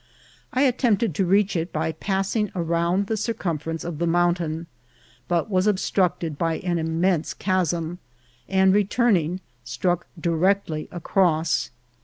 I attempted to reach it by passing round the cir cumference of the mountain, but was obstructed by an immense chasm, and returning, struck directly across.